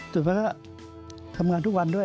สูญภัยครับทำงานทุกวันด้วย